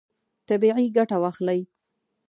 طبیعي ګټه واخلئ.